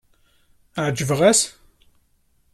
Ɛejbeɣ-as?